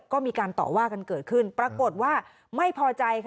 ก็มีการต่อว่ากันเกิดขึ้นปรากฏว่าไม่พอใจค่ะ